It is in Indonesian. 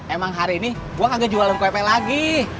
emang hari ini gua kagak jualan kuepek lagi